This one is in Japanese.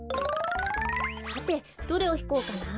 さてどれをひこうかな。